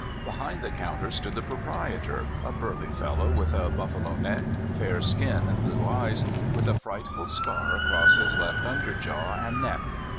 Behind the counter stood the proprietor, a burly fellow with a buffalo neck, fair skin, and blue eyes, with a frightful scar across his left underjaw and neck.